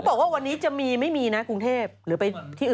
บอกว่าวันนี้จะมีไม่มีนะกรุงเทพหรือไปที่อื่น